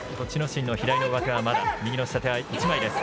心の左の上手はまだ、右の下手は１枚です。